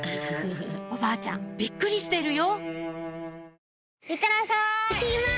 おばあちゃんびっくりしてるよ